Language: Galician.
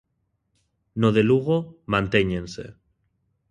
No de Lugo, mantéñense.